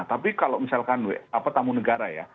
tapi kalau misalkan tamu negara ya